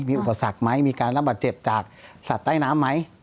มีอุปสรรคไหมมีการรับบาดเจ็บจากสัตว์ใต้น้ำไหม